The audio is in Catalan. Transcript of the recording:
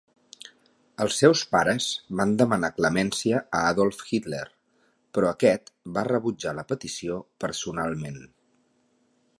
Els seus pares van demanar clemència a Adolf Hitler, però aquest va rebutjar la petició personalment.